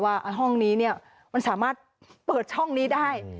ว่าห้องนี้มันสามารถเปิดช่องนี้ได้